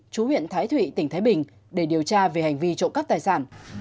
chú huyện thái thụy tỉnh thái bình để điều tra về hành vi trộm cắp tài sản